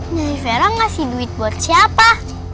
nih vera ngasih duit buat siapa